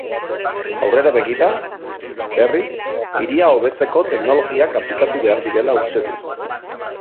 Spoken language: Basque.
Aurrera begira, berriz, hiria hobetzeko teknologiak aplikatu behar direla uste du.